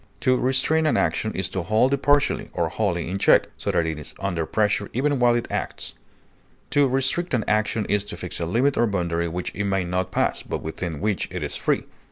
To restrain an action is to hold it partially or wholly in check, so that it is under pressure even while it acts; to restrict an action is to fix a limit or boundary which it may not pass, but within which it is free.